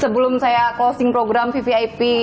sebelum saya closing program vvip